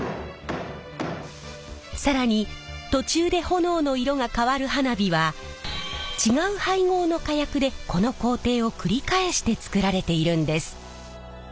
更に途中で炎の色が変わる花火は違う配合の火薬でこの工程を繰り返して作られているんです。